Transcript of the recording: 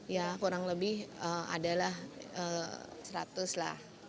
ya kurang lebih adalah seratus lah